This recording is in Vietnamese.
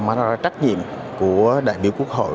mà nó ra trách nhiệm của đại biểu quốc hội